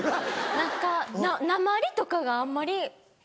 何かなまりとかがあんまり。